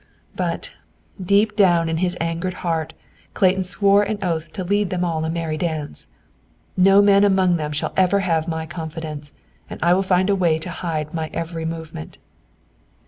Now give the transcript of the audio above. But, deep down in his angered heart, Clayton swore an oath to lead them all a merry dance. "No man among them shall ever have my confidence, and I will find a way to hide my every movement."